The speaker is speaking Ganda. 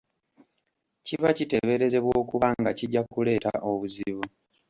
Kiba kiteeberezebwa okuba nga kijja kuleeta obuzibu.